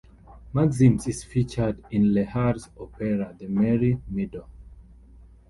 Maxim's is featured in Lehar's opera, "The Merry Widow".